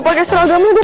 pake baju seragam gue